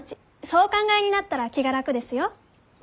そうお考えになったら気が楽ですよ。